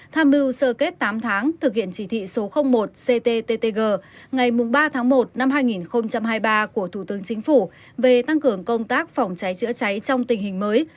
tham mưu sơ kết tám tháng thực hiện chỉ thị số một cttg ngày ba tháng một năm hai nghìn hai mươi ba của thủ tướng chính phủ về tăng cường công tác phòng cháy chữa cháy trong tình hình mới